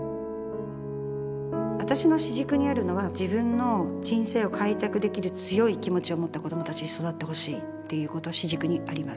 私の主軸にあるのは自分の人生を開拓できる強い気持ちをもった子どもたちに育ってほしいっていうこと主軸にあります